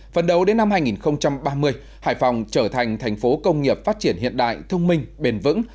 phần đầu đến năm hai nghìn ba mươi hải phòng trở thành thành phố công nghiệp phát triển hiện đại thông minh bền vững